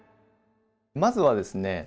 まずはですね